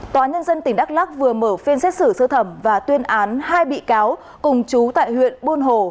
tòa nhân dân tỉnh đắk lắc vừa mở phiên xét xử sơ thẩm và tuyên án hai bị cáo cùng chú tại huyện buôn hồ